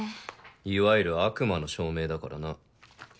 いわゆる「悪魔の証明」だからな。